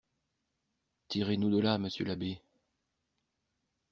Tirez-nous de là, monsieur l'abbé?